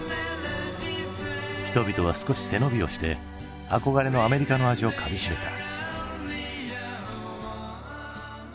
人々は少し背伸びをして憧れのアメリカの味をかみしめた。